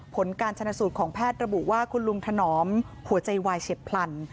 ผลการชนะสูตรของแพทย์ระบุว่าคุณลุงถนอมหัวใจวายเฉียบพลัน